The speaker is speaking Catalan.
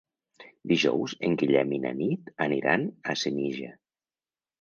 Dijous en Guillem i na Nit aniran a Senija.